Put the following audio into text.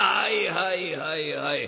「はいはいはいはい。